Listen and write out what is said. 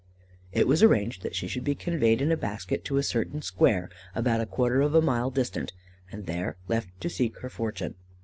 "It was arranged that she should be conveyed in a basket to a certain square, about a quarter of a mile distant, and there left to seek her fortune.